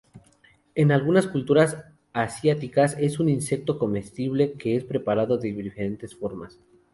En algunas culturas asiáticas es un insecto comestible que es preparado de diferentes formas.